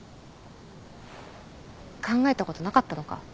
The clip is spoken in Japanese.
考えたことなかったのか。